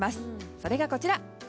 それがこちら。